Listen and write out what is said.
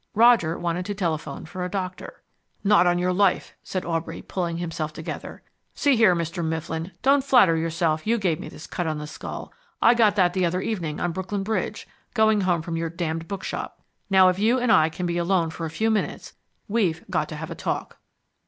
Roger wanted to telephone for a doctor. "Not on your life," said Aubrey, pulling himself together. "See here, Mr. Mifflin, don't flatter yourself you gave me this cut on the skull. I got that the other evening on Brooklyn Bridge, going home from your damned bookshop. Now if you and I can be alone for a few minutes, we've got to have a talk."